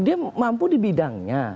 dia mampu di bidangnya